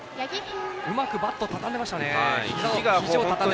うまく、ひじをたたんでましたね。